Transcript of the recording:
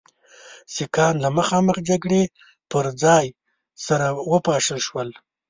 سیکهان له مخامخ جګړې پر ځای سره وپاشل شول.